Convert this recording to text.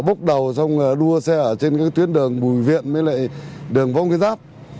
bốc đầu đua xe trên tuyến đường bùi viện với đường vông ký giáp